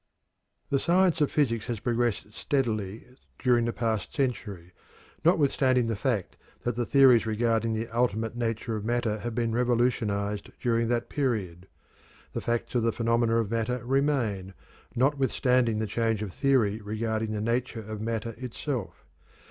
The science of physics has progressed steadily during the past century, notwithstanding the fact that the theories regarding the ultimate nature of matter have been revolutionized during that period. The facts of the phenomena of matter remain, notwithstanding the change of theory regarding the nature of matter itself.